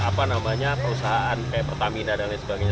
apa namanya perusahaan seperti pertamina dan sebagainya